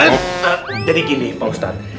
eh jadi gini pak ustad